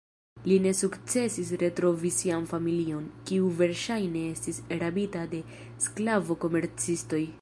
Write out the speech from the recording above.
Li ne sukcesis retrovi sian familion, kiu verŝajne estis rabita de sklavo-komercistoj.